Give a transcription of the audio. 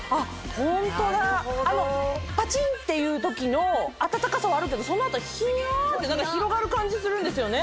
ホントだパチンっていう時の温かさはあるけどその後ヒヤって広がる感じするんですよね。